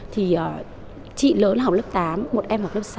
thì chị lớn là học lớp tám một em học lớp sáu